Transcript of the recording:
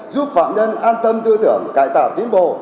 giúp phạm nhân an tâm tư tưởng cải tạo tiến bộ